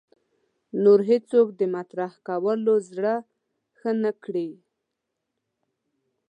نور هېڅوک مطرح کولو زړه ښه نه کړي